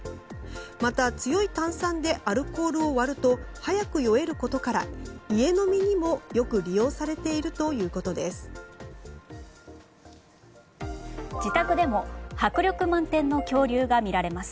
また、強い炭酸でアルコールを割ると早く酔えることから家飲みにも、よく利用されているということです。